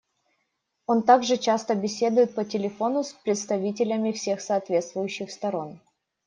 Он также часто беседует по телефону с представителями всех соответствующих сторон.